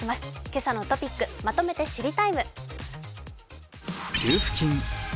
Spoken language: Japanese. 今朝のトピックまとめて「知りＴＩＭＥ，」。